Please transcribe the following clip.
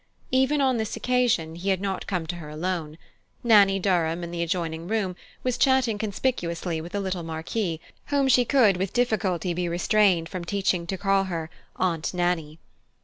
Even on this occasion, he had not come to her alone; Nannie Durham, in the adjoining room, was chatting conspicuously with the little Marquis, whom she could with difficulty be restrained from teaching to call her "Aunt Nannie."